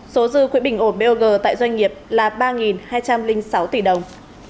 số dư quỹ bình ổn bog tại doanh nghiệp là ba hai trăm linh sáu tỷ đồng